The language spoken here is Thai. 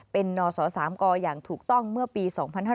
เป็นหนอสระสามกออย่างถูกต้องเมื่อปี๒๕๔๑